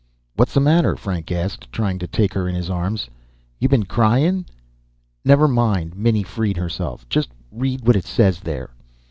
"What's the matter?" Frank asked, trying to take her in his arms. "You been crying." "Never mind." Minnie freed herself. "Just read what it says there."